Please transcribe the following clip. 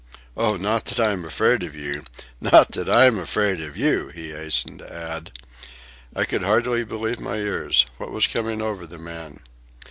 "Oh, not that I'm afraid of you, not that I'm afraid of you," he hastened to add. I could hardly believe my ears. What was coming over the man?